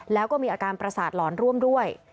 แล้วก็มีอาการประสาทหลอนร่วมด้วย